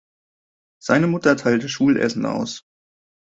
Seine Mutter teilte Schulessen aus.